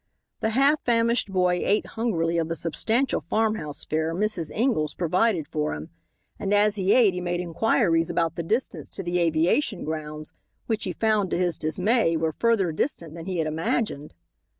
The half famished boy ate hungrily of the substantial farmhouse fare Mrs. Ingalls provided for him, and as he ate he made inquiries about the distance to the aviation grounds, which, he found to his dismay, were further distant than he had imagined.